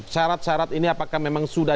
syarat syarat ini apakah memang sudah